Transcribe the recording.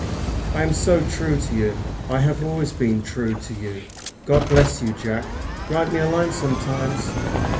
"I am so true to you! I have always been true to you. God bless you, Jack. Write me a line sometimes."